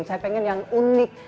saya pengen yang unik